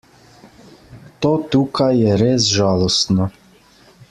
To tukaj je res žalostno.